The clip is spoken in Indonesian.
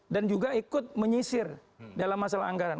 dan juga ikut menyisir dalam masalah anggaran